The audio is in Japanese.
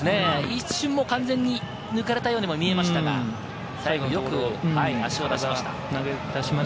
一瞬完全に抜かれたようにも見えましたが、最後よく足を出しました。